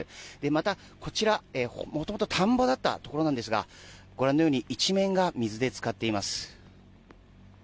また、こちら、元々田んぼだったところなんですがご覧のように一面が水でつかっています。